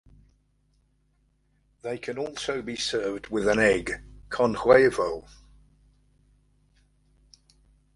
They can also be served with an egg ("con huevo").